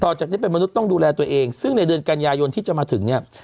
จากที่เป็นมนุษย์ต้องดูแลตัวเองซึ่งในเดือนกันยายนที่จะมาถึงเนี่ย